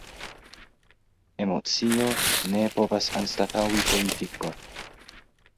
Emocio ne povas anstataŭi politikon.